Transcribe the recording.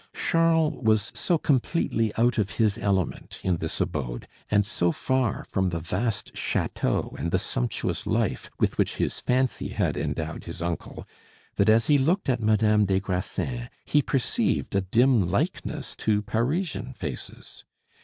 Charles was so completely out of his element in this abode, and so far from the vast chateau and the sumptuous life with which his fancy had endowed his uncle, that as he looked at Madame des Grassins he perceived a dim likeness to Parisian faces.